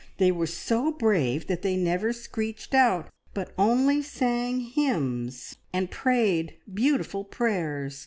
They were so brave that they never screeched out, but only sang hymns, and prayed beautiful prayers.